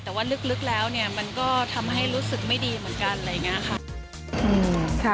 แต่ว่าลึกแล้วมันก็ทำให้รู้สึกไม่ดีเหมือนกัน